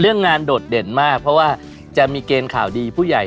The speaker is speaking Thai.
เรื่องงานโดดเด่นมากเพราะว่าจะมีเกณฑ์ข่าวดีผู้ใหญ่